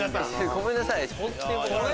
ごめんなさい。